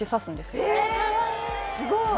すごい！